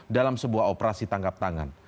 dalam sebuah operasi tangkap tangan